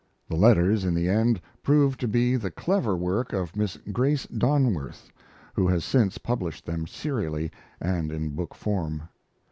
The letters, in the end, proved to be the clever work of Miss Grace Donworth, who has since published them serially and in book form.